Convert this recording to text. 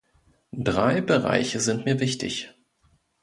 Drei Bereiche sind mir wichtig.